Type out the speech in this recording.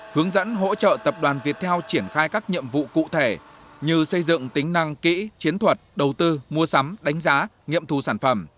hướng dẫn hỗ trợ tập đoàn viettel triển khai các nhiệm vụ cụ thể như xây dựng tính năng kỹ chiến thuật đầu tư mua sắm đánh giá nghiệm thù sản phẩm